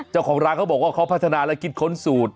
เจ้าของร้านเขาบอกว่าเขาพัฒนาและคิดค้นสูตร